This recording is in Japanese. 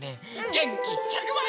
げんき１００ばい！